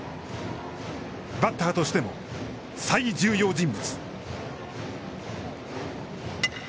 バッターとしても最重要人物。